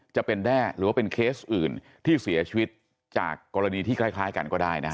แด้หรือว่าเป็นเคสอื่นที่เสียชีวิตจากกรณีที่คล้ายกันก็ได้นะฮะ